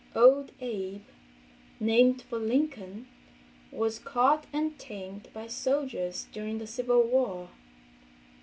"Old Abe"—named for Lincoln—was caught and tamed by soldiers during the civil war.